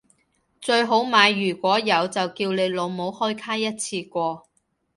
最好買如果有就叫你老母開卡一次過